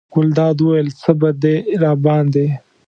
ګلداد وویل: څه به دې راباندې.